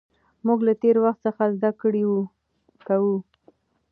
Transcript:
موږ له تېر وخت څخه زده کړه کوو.